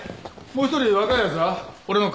もう一人若い奴は？